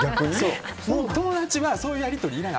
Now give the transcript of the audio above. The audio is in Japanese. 友達はそういうやり取りない。